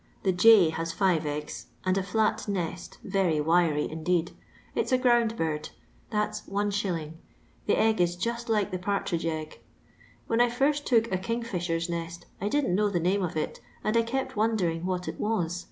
The jay has five eggs, and a fiat nest, very wiry, indeed; it's a ground bird; that's If. — the egg is just like a partridge egg. When I first took a kingfisher's nest, I didn't know the name of it, and I kept wondering what it was.